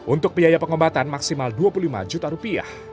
untuk biaya pengobatan maksimal rp dua puluh lima